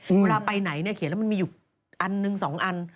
เวลาไปไหนนะเขียนมามันมีอยู่อันนึงสองอัน